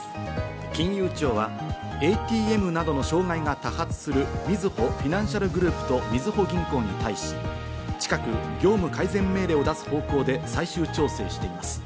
金融庁はＡＴＭなどの障害が多発するみずほフィナンシャルグループと、みずほ銀行に対し、近く業務改善命令を出す方向で最終調整しています。